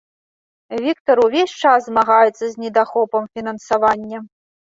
Віктар увесь час змагаецца з недахопам фінансавання.